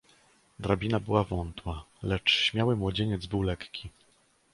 "Drabina była wątła, lecz śmiały młodzieniec był lekki."